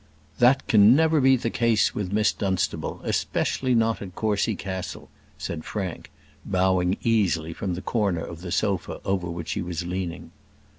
"That can never be the case with Miss Dunstable; especially not at Courcy Castle," said Frank, bowing easily from the corner of the sofa over which he was leaning.